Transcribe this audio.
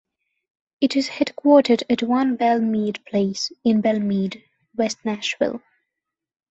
It is headquartered at One Belle Meade Place, in Belle Meade, West Nashville.